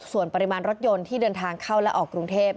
ส่วนปริมาณรถยนต์ที่เดินทางเข้าและออกกรุงเทพ